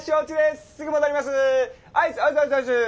すぐ戻りますぅ。